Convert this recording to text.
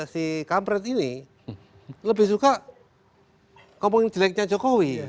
si kampret ini lebih suka ngomongin jeleknya jokowi